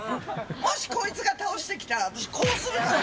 もしこいつが倒してきたら、私、こうするからね。